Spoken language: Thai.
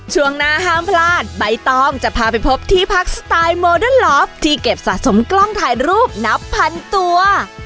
ช่วงหน้าห้ามพลาดใบตองจะพาไปพบที่พักสไตล์โมเดิร์ลลอฟที่เก็บสะสมกล้องถ่ายรูปนับพันตัว